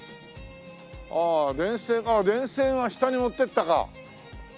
ああ電線電線は下に持っていったか。